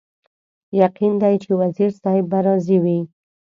یقین دی چې وزیر صاحب به راضي وي.